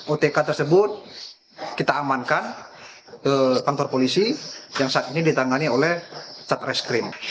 otk tersebut kita amankan kantor polisi yang saat ini ditangani oleh satreskrim